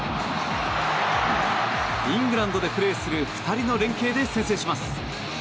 イングランドでプレーする２人の連係で先制します。